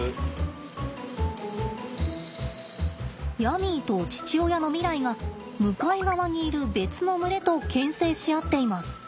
ヤミーと父親のミライが向かい側にいる別の群れとけん制し合っています。